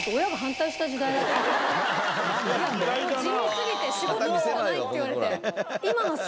「地味すぎて仕事なんかない」って言われて。